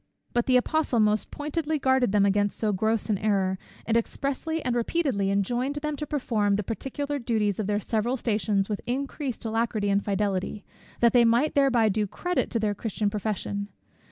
But the Apostle most pointedly guarded them against so gross an error, and expressly and repeatedly enjoined them to perform the particular duties of their several stations with increased alacrity and fidelity, that they might thereby do credit to their Christian profession.